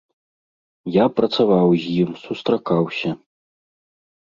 Я працаваў з ім, сустракаўся.